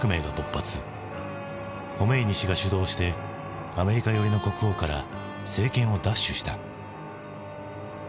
ホメイニ師が主導してアメリカ寄りの国王から政権を奪取した。